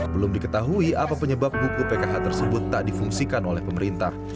belum diketahui apa penyebab buku pkh tersebut tak difungsikan oleh pemerintah